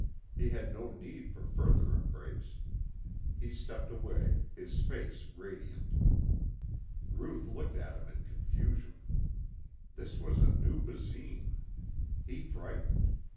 He had no need for further embrace. He stepped away, his face radiant. Ruth looked at him in confusion. This was a new Basine. He frightened.